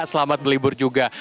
selamat belibur juga